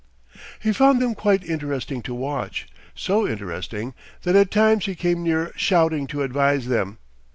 He found them quite interesting to watch, so interesting that at times he came near shouting to advise them.